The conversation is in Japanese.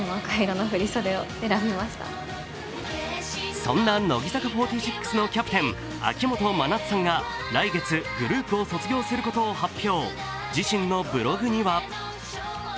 そんな乃木坂４６のキャプテン秋元真夏さんが来月、グループを卒業することを発表。